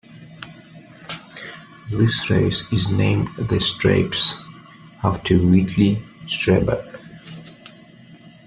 This race is named the Streibs after Whitley Strieber.